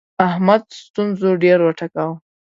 احمد ستونزو ډېر وټکاوو.